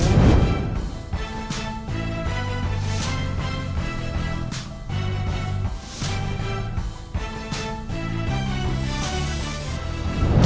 เกมที่อาศัยค่ะ